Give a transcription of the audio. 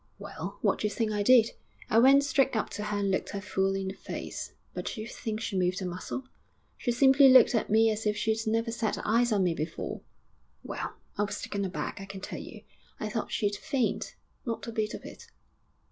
'Well, what d'you think I did? I went straight up to her and looked her full in the face. But d'you think she moved a muscle? She simply looked at me as if she'd never set eyes on me before. Well, I was taken aback, I can tell you. I thought she'd faint. Not a bit of it.'